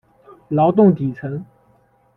劳动底层